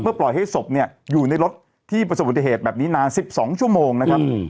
ปล่อยให้ศพเนี่ยอยู่ในรถที่ประสบปฏิเหตุแบบนี้นาน๑๒ชั่วโมงนะครับ